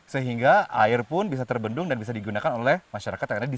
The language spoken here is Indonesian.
sehingga air pun bisa terbendung dan bisa digunakan oleh masyarakat yang ada di